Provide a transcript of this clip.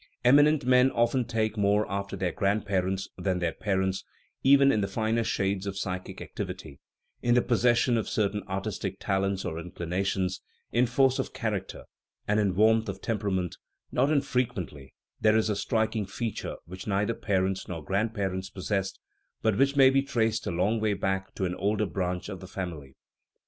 Eminent men often take more after their grand parents than their parents even in the finer shades of psychic activity in the possession of certain artistic talents or inclinations, in force of character, and in warmth of temperament; not infrequently there is a striking feature which neither parents nor grandpar ents possessed, but which may be traced a long way back to an older branch of the family.